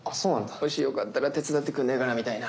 もしよかったら手伝ってくんねぇかなみたいな。